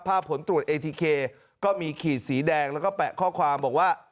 ผลตรวจเอทีเคก็มีขีดสีแดงแล้วก็แปะข้อความบอกว่า